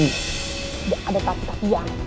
gak ada tapi tapi yang